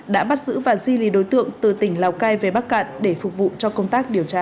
đã bắt giữ và di lý đối tượng từ tỉnh lào cai về bắc cạn để phục vụ cho công tác điều tra